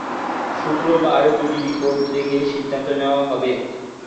শুক্রবার দু’টি রিপোর্ট দেখে সিদ্ধান্ত নেওয়া হবে।